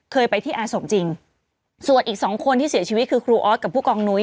เคยไปที่อาสมจริงส่วนอีกสองคนที่เสียชีวิตคือครูออสกับผู้กองนุ้ย